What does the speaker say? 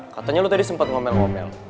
katanya lu tadi sempet ngomel ngomel